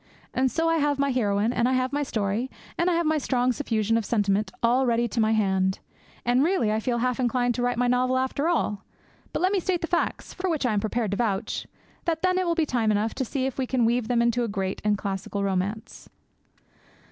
And so I have my heroine, and I have my story, and I have my strong suffusion of sentiment all ready to my hand; and really, I feel half inclined to write my novel after all. But let me state the facts for which I am prepared to vouch and then it will be time enough to see if we can weave them into a great and classical romance.